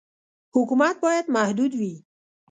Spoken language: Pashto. حکومت باید محدود وي.